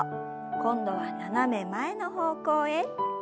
今度は斜め前の方向へ。